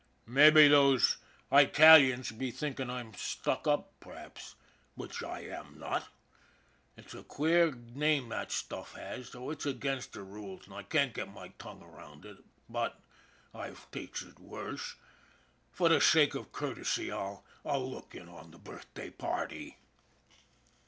Maybe those Eyetalians'll be thinkin' I'm stuck up, perhaps which I am not. It's a queer name the stuff has, though it's against the rules, an' I can't get my tongue around it, but I've tasted worse. For the sake of courtesy I'll look in on the birthday party."